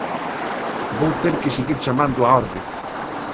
Vou ter que seguir chamando á orde.